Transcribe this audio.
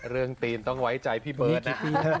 เรื่องตีนต้องไว้ใจพี่เบิร์ดนะ